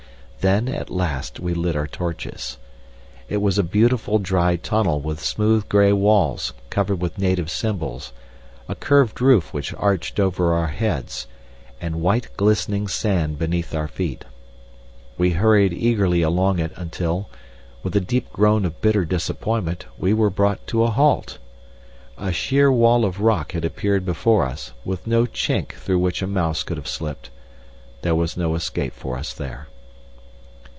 Then, at last, we lit our torches. It was a beautiful dry tunnel with smooth gray walls covered with native symbols, a curved roof which arched over our heads, and white glistening sand beneath our feet. We hurried eagerly along it until, with a deep groan of bitter disappointment, we were brought to a halt. A sheer wall of rock had appeared before us, with no chink through which a mouse could have slipped. There was no escape for us there.